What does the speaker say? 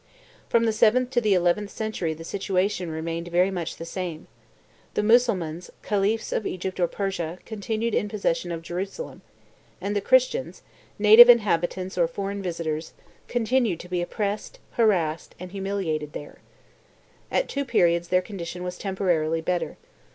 From the seventh to the eleventh century the situation remained very much the same. The Mussulmans, khalifs of Egypt or Persia, continued in possession of Jerusalem; and the Christians, native inhabitants or foreign visitors, continued to be oppressed, harassed, and humiliated there. At two periods their condition was temporarily better.